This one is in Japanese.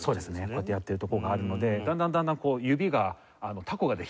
こうやってやってるところがあるのでだんだんだんだん指がたこができてきて。